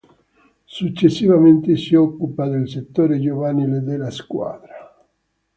Successivamente si occupa del settore giovanile della squadra.